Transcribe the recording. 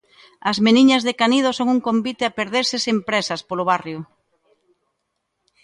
As Meniñas de Canido son un convite a perderse, sen présas, polo barrio.